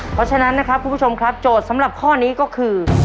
เพราะฉะนั้นนะครับคุณผู้ชมครับโจทย์สำหรับข้อนี้ก็คือ